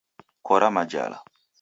Kora majala.